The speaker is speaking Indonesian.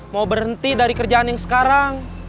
mau berhenti dari kerjaan yang sekarang